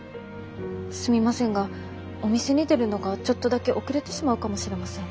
すみませんがお店に出るのがちょっとだけ遅れてしまうかもしれません。